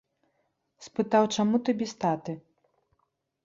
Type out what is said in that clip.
Спытаў, чаму ты без таты?